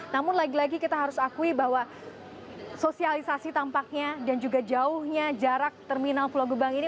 namun lagi lagi kita harus akui bahwa sosialisasi tampaknya dan juga jauhnya jarak terminal pulau gebang ini